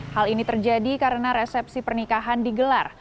hal ini terjadi karena resepsi pernikahan digelar